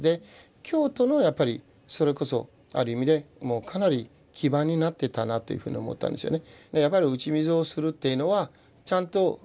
京都のやっぱりそれこそある意味でかなり基盤になってたなっていうふうに思ったんですよね。